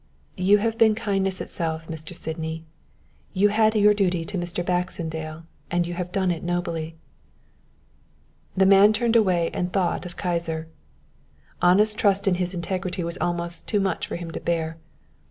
"You have been kindness itself, Mr. Sydney. You had your duty to Mr. Baxendale and you have done it nobly." The man turned away and thought of Kyser. Anna's trust in his integrity was almost too much for him to bear.